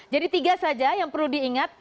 jadi tiga saja yang perlu diingat